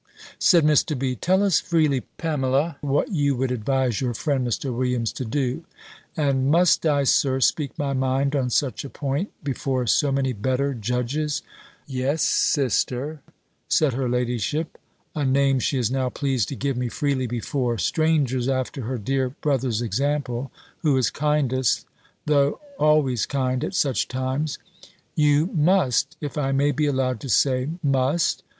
Said Mr. B., "Tell us freely, Pamela, what you would advise your friend Mr. Williams to do." "And must I, Sir, speak my mind on such a point, before so many better judges?" "Yes, sister," said her ladyship (a name she is now pleased to give me freely before strangers, after her dear brother's example, who is kindest, though always kind, at such times) "you must; if I may be allowed to say must."